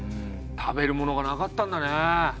食べるものがなかったんだね。